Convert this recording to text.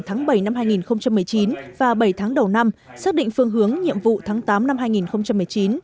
tháng bảy năm hai nghìn một mươi chín và bảy tháng đầu năm xác định phương hướng nhiệm vụ tháng tám năm hai nghìn một mươi chín